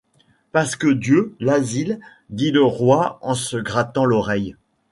Pasque-Dieu, l’asile ! dit le roi en se grattant l’oreille.